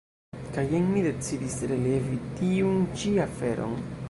Kaj jen mi decidis relevi tiun ĉi aferon.